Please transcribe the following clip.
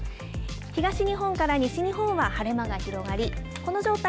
東日本から北日本は晴れ間が広がりこの状態